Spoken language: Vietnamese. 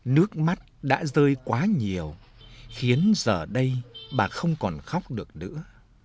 nước mắt đã rơi quá nhiều khiến giờ đây bà không còn khóc được nữa